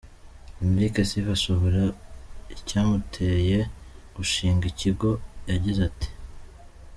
Enric Sifa asobanura icyamuteye gushinga iki kigo, yagize ati:.